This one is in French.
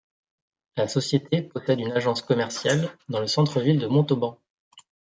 La société possède une agence commerciale dans le centre-ville de Montauban.